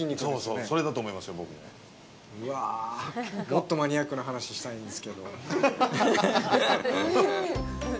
もっとマニアックな話をしたいんですけど。